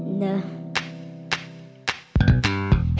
ฉันจะจัดหัวที่ใด